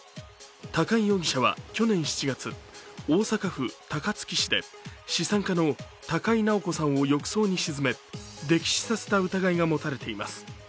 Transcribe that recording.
高井容疑者は去年７月、大阪府高槻市で資産家の高井直子さんを浴槽に沈め溺死させた疑いが持たれています。